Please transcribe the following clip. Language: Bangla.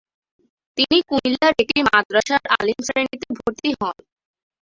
তিনি কুমিল্লার একটি মাদ্রাসার আলিম শ্রেণীতে ভর্তি হন।